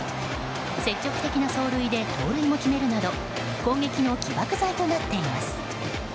積極的な走塁で盗塁も決めるなど攻撃の起爆剤となっています。